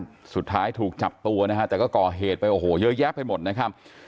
สุดท้ายถูกจับตัวนะฮะแต่ก็ก่อเหตุไปโอ้โหเยอะแยะไปหมดนะครับ